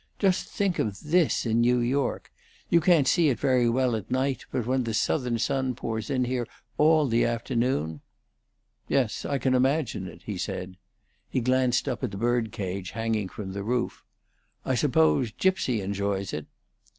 "Just think of this in New York! You can't see it very well at night, but when the southern sun pours in here all the afternoon " "Yes, I can imagine it," he said. He glanced up at the bird cage hanging from the roof. "I suppose Gypsy enjoys it."